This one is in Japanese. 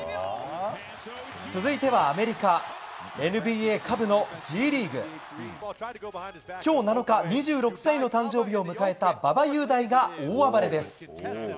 続いてはアメリカＮＢＡ下部のＧリーグ。今日、７日２６歳の誕生日を迎えた馬場雄大が大暴れです！